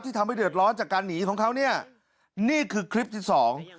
ทำให้เดือดร้อนจากการหนีของเขาเนี่ยนี่คือคลิปที่สอง